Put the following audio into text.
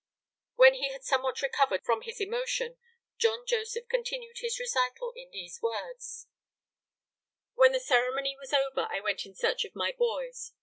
When he had somewhat recovered from his emotion, John Joseph continued his recital in these words: "When the ceremony was over I went in search of my boys.